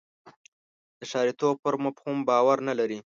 د ښاریتوب پر مفهوم باور نه لري.